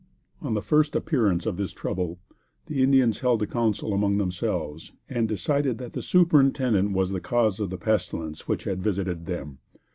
On the first appearance of this trouble, the Indians held a council among themselves, and decided that the Superintendent was the cause of the pestilence that had visited them.